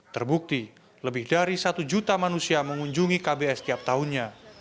terbukti lebih dari satu juta manusia mengunjungi kbs tiap tahunnya